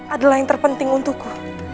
adalah yang terpenting untukku